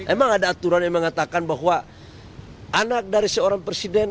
emang ada aturan yang mengatakan bahwa anak dari seorang presiden